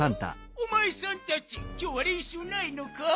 おまえさんたちきょうはれんしゅうないのか？